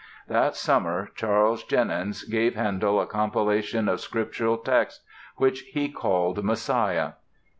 That summer Charles Jennens gave Handel a compilation of Scriptural texts which he called "Messiah."